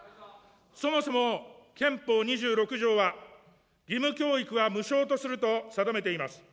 そもそも、憲法２６条は義務教育は無償とすると定めています。